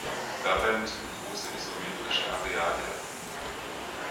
Dabei muss man große isometrische Areale erkunden.